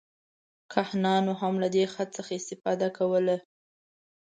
کاهنانو هم له دې خط څخه استفاده کوله.